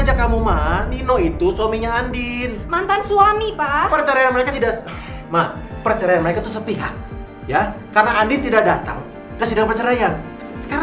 jadi apa aja